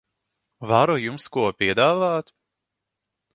Varu jums ko piedāvāt?